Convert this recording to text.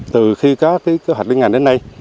từ khi có kế hoạch liên ngành đến nay